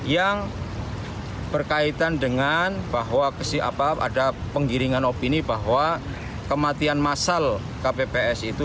yang berkaitan dengan bahwa ada penggiringan opini bahwa kematian massal kpps itu